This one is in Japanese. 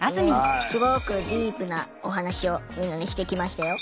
すごくディープなお話をみんなでしてきましたよ。